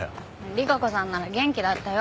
利佳子さんなら元気だったよ。